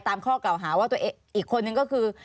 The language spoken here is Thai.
ข้อเก่าหาว่าตัวเองอีกคนนึงก็คือ